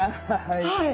はい。